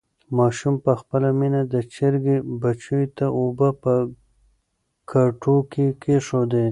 ماشوم په خپله مینه د چرګې بچیو ته اوبه په کټو کې کېښودې.